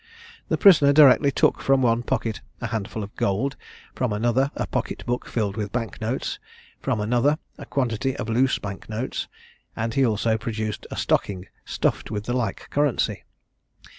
The prisoner directly took from one pocket a handful of gold, from another a pocket book filled with bank notes, from another a quantity of loose bank notes, and he also produced a stocking stuffed with the like currency.